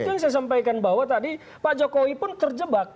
itu yang saya sampaikan bahwa tadi pak jokowi pun terjebak